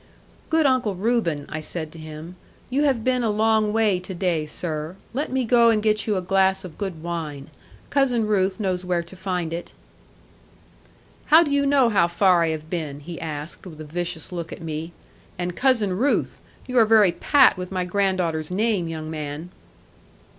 'Good Uncle Reuben,' I said to him, 'you have been a long way to day, sir. Let me go and get you a glass of good wine. Cousin Ruth knows where to find it.' 'How do you know how far I have been?' he asked, with a vicious look at me. 'And Cousin Ruth! You are very pat with my granddaughter's name, young man!'